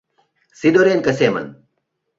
Сидоренко семын